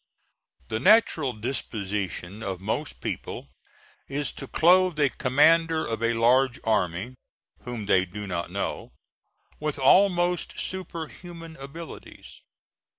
The natural disposition of most people is to clothe a commander of a large army whom they do not know, with almost superhuman abilities.